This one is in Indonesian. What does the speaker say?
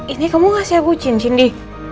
ini kamu kasih aku cincin di